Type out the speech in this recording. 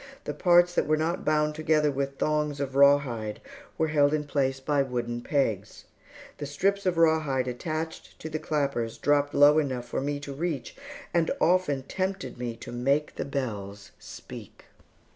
The parts that were not bound together with thongs of rawhide, were held in place by wooden pegs. The strips of rawhide attached to the clappers dropped low enough for me to reach, and often tempted me to make the bells speak.